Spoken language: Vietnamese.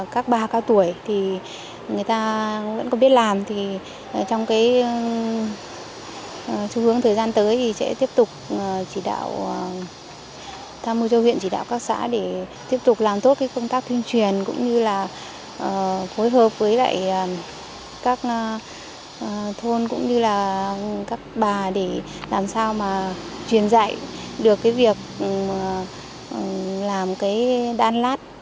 các bà cao tuổi thì người ta vẫn có biết làm thì trong cái xu hướng thời gian tới thì sẽ tiếp tục tham mưu cho huyện chỉ đạo các xã để tiếp tục làm tốt công tác kinh truyền cũng như là phối hợp với các thôn cũng như là các bà để làm sao mà truyền dạy được cái việc làm cái đan lát